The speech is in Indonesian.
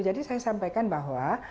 jadi saya sampaikan bahwa